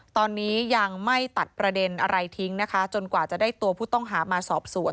ตอนนี้ยังไม่ตัดประเด็นอะไรทิ้งนะคะจนกว่าจะได้ตัวผู้ต้องหามาสอบสวน